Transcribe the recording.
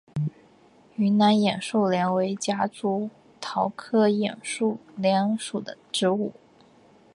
云南眼树莲为夹竹桃科眼树莲属的植物。